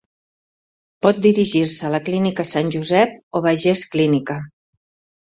Pot dirigir-se a la Clínica Sant Josep o Bages Clínica.